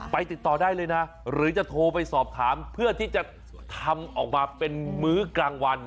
ติดต่อได้เลยนะหรือจะโทรไปสอบถามเพื่อที่จะทำออกมาเป็นมื้อกลางวัน